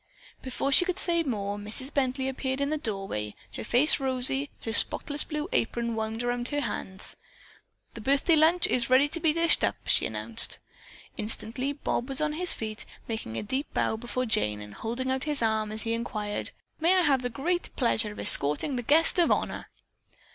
Before she could say more, Mrs. Bently appeared in the doorway, her face rosy, her spotless blue apron wound about her hands. "The birthday lunch is ready to be dished up," she announced. Instantly Bob was on his feet, making a deep bow before Jane and holding out his arm as he inquired, "May I have the great pleasure of escorting the guest of honor?"